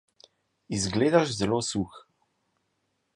Izgledaš zelo suh.